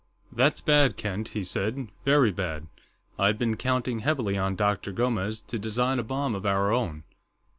"That's bad, Kent," he said. "Very bad. I'd been counting heavily on Dr. Gomes to design a bomb of our own."